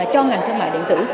cho ngành thương mại điện tử